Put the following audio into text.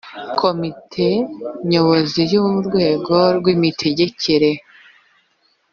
komite nyobozi y urwego rw imitegekere